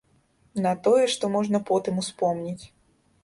На тое, што можна потым успомніць.